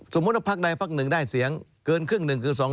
สมมุติว่าพักใดพักหนึ่งได้เสียงเกินครึ่งหนึ่งคือ๒๐